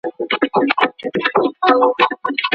د لیکلو عمل زده کوونکی له خوبه ژغوري.